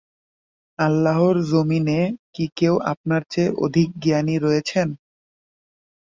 আল্লাহর যমীনে কি কেউ আপনার চেয়ে অধিক জ্ঞানী রয়েছেন?